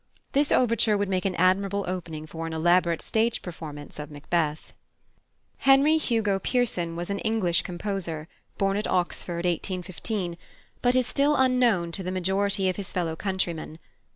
This overture would make an admirable opening for an elaborate stage performance of Macbeth. +Henry Hugo Pierson+ was an English composer, born at Oxford, 1815, but is still unknown to the majority of his fellow countrymen.